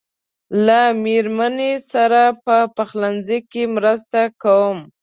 له مېرمنې سره په پخلنځي کې مرسته کوم.